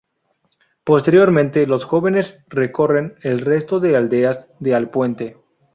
Posteriormente los jóvenes recorren el resto de aldeas de Alpuente.